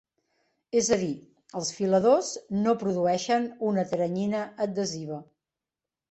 És a dir, els filadors no produeixen una teranyina adhesiva.